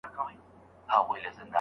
لمر د ځمکې د بقا لپاره اصلي اړتیا ده.